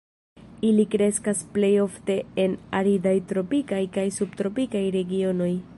Ili kreskas plej ofte en aridaj tropikaj kaj subtropikaj regionoj.